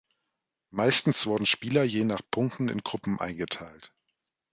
Meistens wurden Spieler je nach Punkten in Gruppen eingeteilt.